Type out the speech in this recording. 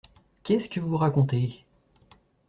Qu’est-ce que vous racontez?